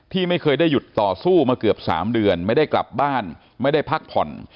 ที่ไม่เคยได้หยุดต่อสู้มาเกือบ๓เดือนไม่ได้กลับบ้านไม่ได้พักผ่อน